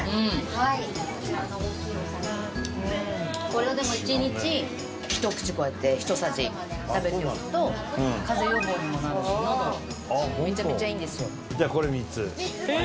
これをでも１日ひと口こうやってひとさじ食べておくと風邪予防にもなるしのどめちゃめちゃいいんですよ。え！？